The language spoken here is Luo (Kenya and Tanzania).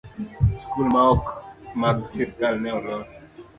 skul ma ok mag sirkal ne olor.